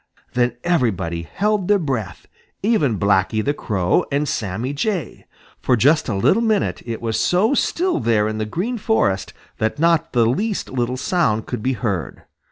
Then everybody held their breath, even Blacky the Crow and Sammy Jay. For just a little minute it was so still there in the Green Forest that not the least little sound could be heard.